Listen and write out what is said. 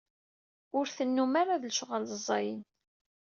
Ur tennum ara d lecɣal ẓẓayen.